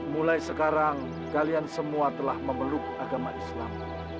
mulai sekarang kalian semua telah memeluk agama islam